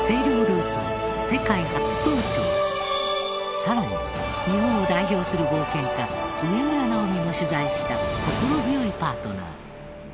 さらに日本を代表する冒険家植村直己も取材した心強いパートナー。